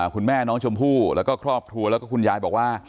คุณแม่น้องชมพู่แล้วก็ครอบครัวแล้วก็คุณยายบอกว่า